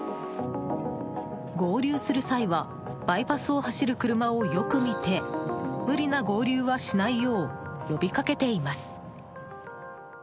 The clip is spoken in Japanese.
合流する際はバイパスを走る車をよく見て無理な合流はしないよう呼びかけています。